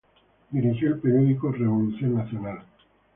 Dirigió el periódico "Revolución Nacional".